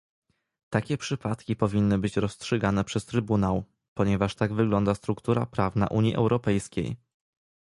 Takie przypadki powinny być rozstrzygane przez Trybunał, ponieważ tak wygląda struktura prawna Unii Europejskiej